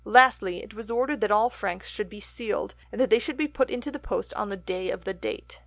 Lastly, it was ordered that all franks should be sealed and that they should be put into the post on the day of the date.